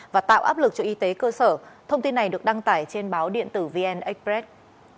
và tạo áp lực cho y tế cơ sở thông tin này được đăng tải trên báo điện tử vn express